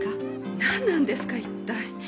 なんなんですか一体。